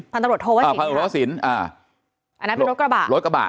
พันตรวจโทวศิลป์อันนั้นเป็นรถกระบะ